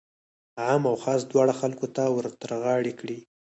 عام او خاص دواړو خلکو ته ورترغاړه کړي.